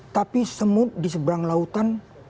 tapi semut di seberang lautan